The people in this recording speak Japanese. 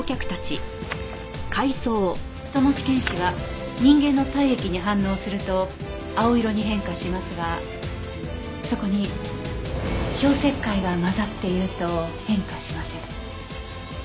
その試験紙は人間の体液に反応すると青色に変化しますがそこに消石灰が混ざっていると変化しません。